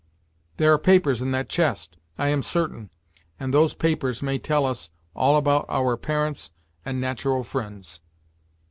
There are papers in that chest, I am certain, and those papers may tell us all about our parents and natural friends."